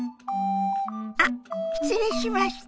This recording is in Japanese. あっ失礼しました。